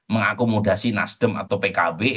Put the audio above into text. mengakomodasi nasdem atau pkb